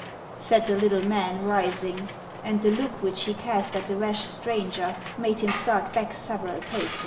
said the little man, rising ; and the look which he cast at the rash stranger made him start back several paces.